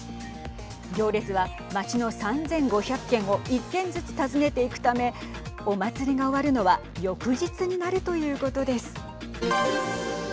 行列は町の３５００軒を１軒ずつ訪ねていくためお祭りが終わるのは翌日になるということです。